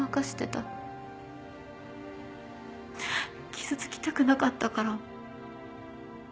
ううっ傷つきたくなかったから。